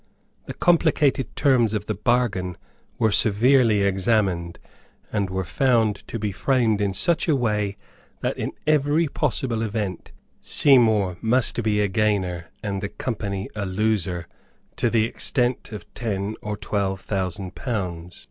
The complicated terms of the bargain were severely examined, and were found to be framed in such a manner that, in every possible event, Seymour must be a gainer and the Company a loser to the extent of ten or twelve thousand pounds.